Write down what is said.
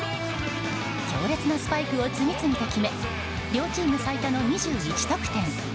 強烈なスパイクを次々と決め両チーム最多の２１得点。